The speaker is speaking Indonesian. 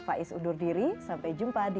faiz undur diri sampai jumpa di